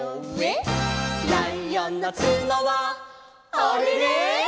「ライオンのつのはあれれ」